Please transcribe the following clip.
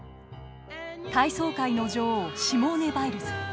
体操界の女王シモーネ・バイルズ。